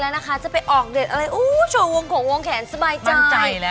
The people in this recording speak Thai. แล้วนะคะจะไปออกเด้ทอะไรโชว์วงของวงแขนสบายใจ